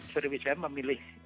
sriwidaya memilih papan